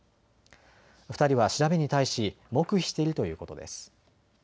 ２人は調べに対し黙秘しているということです。